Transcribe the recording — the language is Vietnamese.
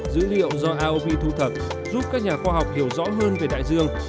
dữ liệu do iov thu thập giúp các nhà khoa học hiểu rõ hơn về đại dương